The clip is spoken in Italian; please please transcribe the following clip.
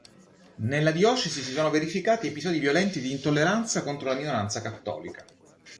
Nella diocesi si sono verificati episodi violenti di intolleranza contro la minoranza cattolica.